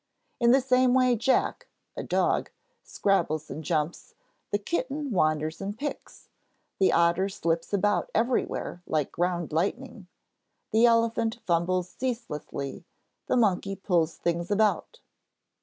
In the same way Jack [a dog] scrabbles and jumps, the kitten wanders and picks, the otter slips about everywhere like ground lightning, the elephant fumbles ceaselessly, the monkey pulls things about."